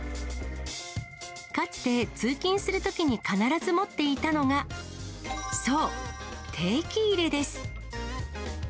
かつて、通勤するときに必ず持っていたのが、そう、定期入れです。